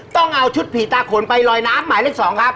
ต้องเอาชุดผีตาขนไปลอยน้ำหมายเลข๒ครับ